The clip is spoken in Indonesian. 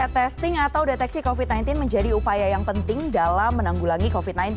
testing atau deteksi covid sembilan belas menjadi upaya yang penting dalam menanggulangi covid sembilan belas